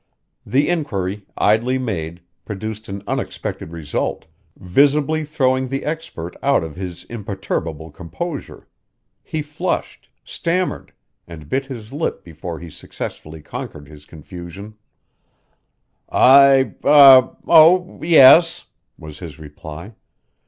The inquiry, idly made, produced an unexpected result, visibly throwing the expert out of his imperturbable composure; he flushed, stammered, and bit his lip before he successfully conquered his confusion: "I eh oh, yes," was his reply.